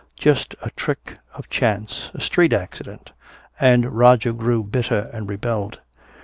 Just a trick of chance, a street accident! And Roger grew bitter and rebelled.